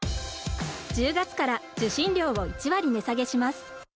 １０月から受信料を１割値下げします。